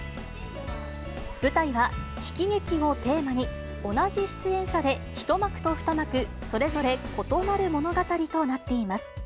舞台は悲喜劇をテーマに同じ出演者で１幕と２幕、それぞれ異なる物語となっています。